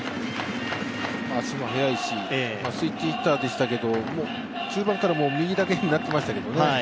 足も速いしスイッチヒッターでしたけど中盤から右だけになっていましたけどね。